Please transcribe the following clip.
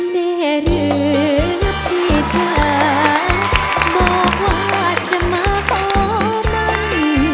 แม่รักที่ฉันบอกว่าจะมาของมัน